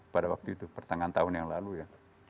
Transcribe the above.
pada waktu itu pertengahan tahun yang lalu ya